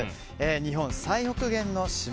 日本最北限の島